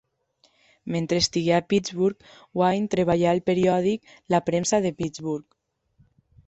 Mentre estigué a Pittsburgh, Wynne treballà al periòdic "La premsa de Pittsburgh"